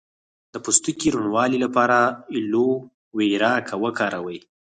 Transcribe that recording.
د پوستکي روڼوالي لپاره ایلوویرا وکاروئ